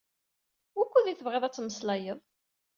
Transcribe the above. Wukkud i tebɣiḍ ad tmeslayeḍ?